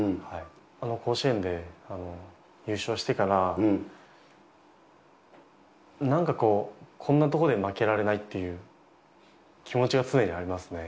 あの甲子園で優勝してからなんかこう、こんなところで負けられないっていう、気持ちが常にありますね。